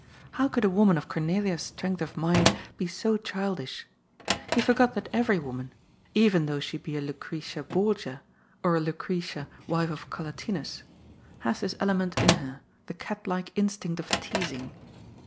How could a woman of Cornelia's strength of mind be so childish ? He forgot that every woman — even though she be a Lucretia Borgia, or a Lucretia, wife of Col latinus — ^has this element in her, the cat like instinct of teasing.